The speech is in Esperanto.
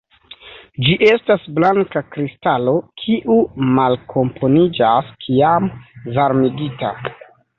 Ĝi estas blanka kristalo kiu malkomponiĝas kiam varmigita.